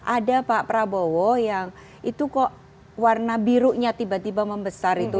ada pak prabowo yang itu kok warna birunya tiba tiba membesar itu